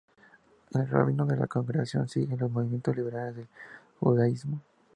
El rabino de la congregación sigue los movimientos liberales del judaísmo.